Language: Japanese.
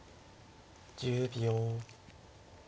１０秒。